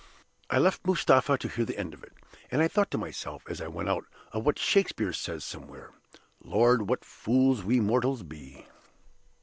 I left Mustapha to hear the end of it. And I thought to myself, as I went out, of what Shakespeare says somewhere, 'Lord, what fools we mortals be!